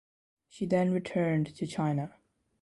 She then returned to China.